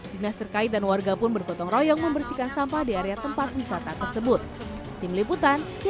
dinas terkait dan warga pun bergotong royong membersihkan sampah di area tempat wisata tersebut